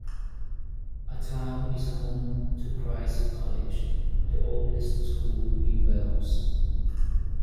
The town is home to Christ College, the oldest school in Wales.